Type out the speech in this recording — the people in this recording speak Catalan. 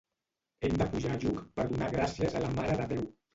Hem de pujar a Lluc per donar gràcies a la Mare de Déu.